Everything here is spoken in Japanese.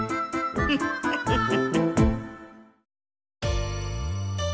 フフフフ。